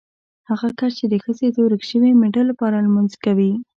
هغه کس چې د ښځې د ورک شوي مېړه لپاره لمونځ کوي.